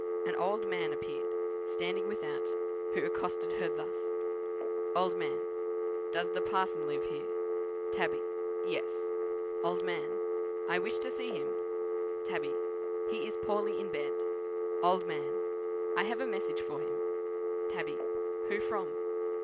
An old man appeared, standing without, who accosted her thus: "Old Man. 'Does the parson live here?' "Tabby. 'Yes.' "Old Man. 'I wish to see him.' "Tabby. 'He is poorly in bed.' "Old Man. 'I have a message for him.' "Tabby. 'Who from?'